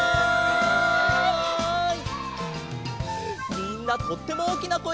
みんなとってもおおきなこえだったね。